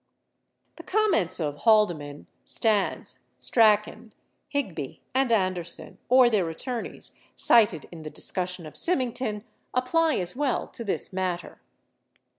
The comments of Haldeman, Stans, Strachan, Higby, and Ander son or their attorneys, cited in the discussion of Symington apply as well to this matter.